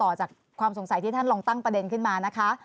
ต่อจากความสงสัยที่ท่านลองตั้งประเด็นขึ้นมานะคะ